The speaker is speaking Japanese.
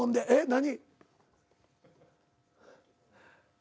何？